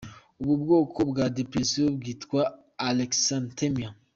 Ubu bwoko bwa depression bwitwa alexithymia.